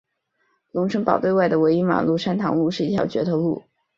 龙成堡对外的唯一马路山塘路是一条掘头路。